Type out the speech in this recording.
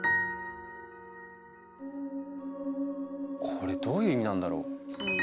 これどういう意味なんだろう？